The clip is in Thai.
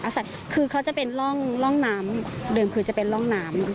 ด้านแม่ง